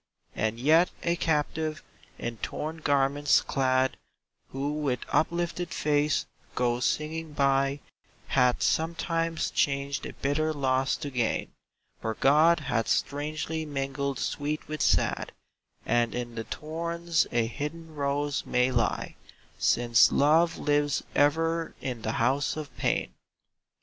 [42J And yet a captive, in torn garments clad, Who with uplifted face goes singing by Hath sometimes changed a bitter loss to gain; For God hath strangely mingled sweet with sad And in the thorns a hidden rose may lie, Since Love lives ever in the House of Pain.